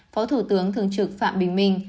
phó thủ tướng thường trực phạm bình minh